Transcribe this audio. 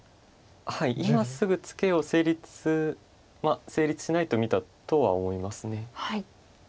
今すぐツケを成立しないと見たとは思います。